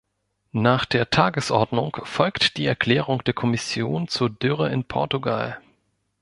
Nach der Tagesordnung folgt die Erklärung der Kommission zur Dürre in Portugal.